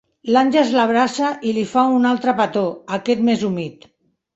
L'Àngels l'abraça i li fa un altre petó, aquest més humit.